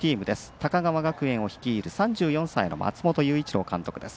高川学園を率いる３４歳の松本祐一郎監督です。